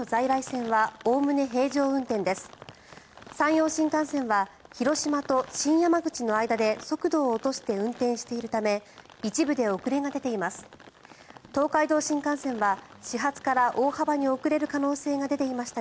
山陽新幹線は広島と新山口の間で速度を落として運転しているため一部で遅れが出ています。